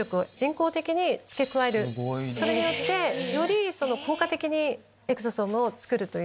それによってより効果的にエクソソームを作るという。